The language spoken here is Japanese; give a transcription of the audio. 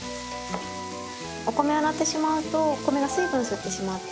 お米を洗ってしまうとお米が水分吸ってしまって。